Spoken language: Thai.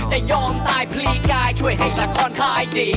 จะยอมตายพลีกายช่วยให้ละครตายดี